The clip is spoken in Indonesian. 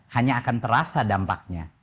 hanya akan terasa dampaknya